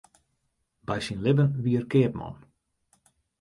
By syn libben wie er keapman.